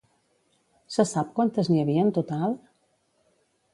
Se sap quantes n'hi havia en total?